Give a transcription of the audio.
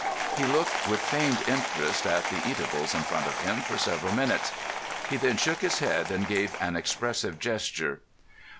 He looked with feigned interest at the eatables in front of him for several minutes. He then shook his head and gave an expressive gesture.